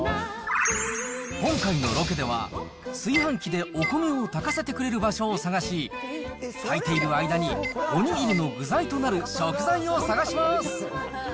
今回のロケでは、炊飯器でお米を炊かせてくれる場所を探し、炊いている間におにぎりの具材となる食材を探します。